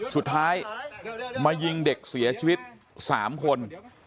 สุดท้ายมายิงเด็กเสียชีวิต๓คน